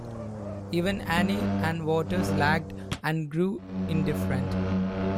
Even Anne and Waters lagged and grew indifferent.